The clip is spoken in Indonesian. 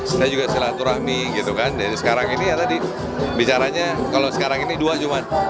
saya juga silaturahmi gitu kan jadi sekarang ini ya tadi bicaranya kalau sekarang ini dua cuma